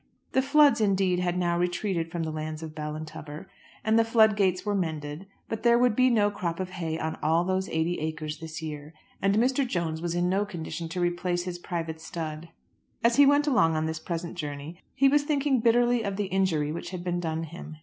The floods, indeed, had now retreated from the lands of Ballintubber and the flood gates were mended; but there would be no crop of hay on all those eighty acres this year, and Mr. Jones was in no condition to replace his private stud. As he went along on this present journey he was thinking bitterly of the injury which had been done him.